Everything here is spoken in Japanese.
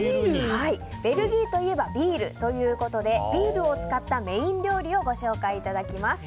ベルギーといえばビールということでビールを使ったメイン料理をご紹介いただきます。